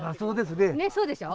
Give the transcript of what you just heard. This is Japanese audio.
ねっそうでしょう？